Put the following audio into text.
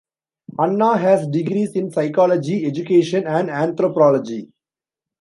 Anna has degrees in psychology, education and anthropology.